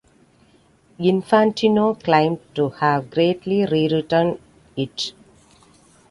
Infantino claimed to have greatly rewritten it.